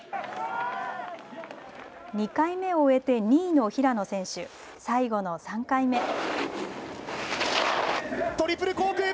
２回目を終えて２位の平野選手、最後の３回目。